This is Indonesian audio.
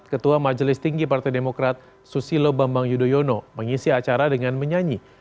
ketua majelis tinggi partai demokrat susilo bambang yudhoyono mengisi acara dengan menyanyi